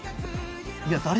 いや誰？